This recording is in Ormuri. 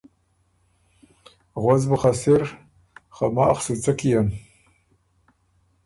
غؤس بُو خه سِر خه ماخ سُو څۀ کيېن۔“